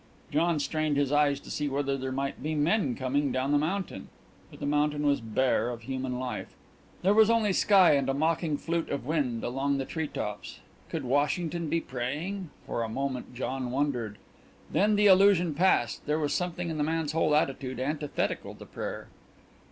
John strained his eyes to see whether there might be men coming down the mountain, but the mountain was bare of human life. There was only sky and a mocking flute of wind along the treetops. Could Washington be praying? For a moment John wondered. Then the illusion passed there was something in the man's whole attitude antithetical to prayer.